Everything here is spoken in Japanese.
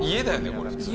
これ普通に。